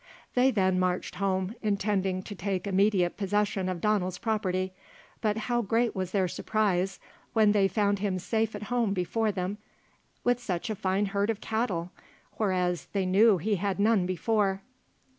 They then marched home, intending to take immediate possession of Donald's property, but how great was their surprise when they found him safe at home before them, with such a fine herd of cattle, whereas they knew he had none before.